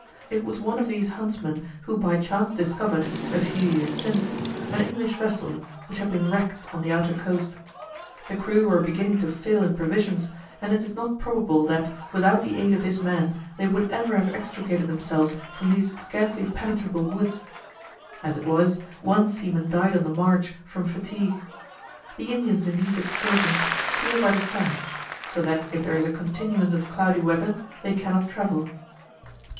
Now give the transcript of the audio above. It was one of these huntsmen who by chance discovered, a few years since, an English vessel, which had been wrecked on the outer coast. The crew were beginning to fail in provisions, and it is not probable that, without the aid of this man, they would ever have extricated themselves from these scarcely penetrable woods. As it was, one seaman died on the march, from fatigue. The Indians in these excursions steer by the sun; so that if there is a continuance of cloudy weather, they can not travel.